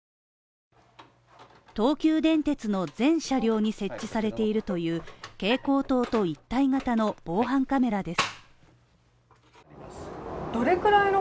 東急電鉄の全車両に設置されているという蛍光灯と一体型の防犯カメラです。